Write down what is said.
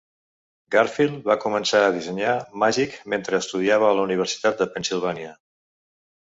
Garfield va començar a dissenyar "Magic" mentre estudiava a la Universitat de Pennsilvània.